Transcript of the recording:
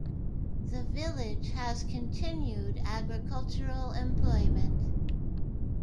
The village has continued agricultural employment.